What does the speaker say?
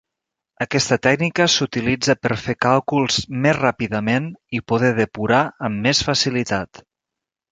Aquesta tècnica s"utilitza per fer càlculs més ràpidament i poder depurar amb més facilitat.